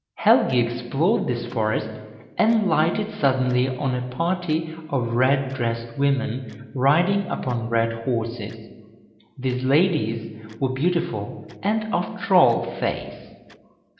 Helgi explored this forest, and lighted suddenly on a party of red dressed women riding upon red horses. These ladies were beautiful and of troll race.